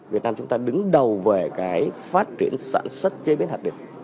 việt nam chúng ta đứng đầu về cái phát triển sản xuất chế biến hạt điều